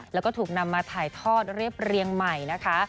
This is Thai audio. แล้วก็ถูกนำมาถ่ายทอดเรียบเรียงใหม่นะคะ